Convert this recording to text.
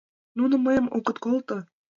Нуно мыйым огыт колто.